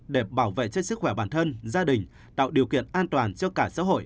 để bảo vệ cho sức khỏe bản thân gia đình tạo điều kiện an toàn cho cả xã hội